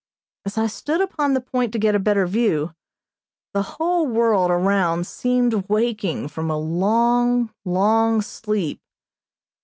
As I stood upon the point to get a better view, the whole world around seemed waking from a long, long sleep.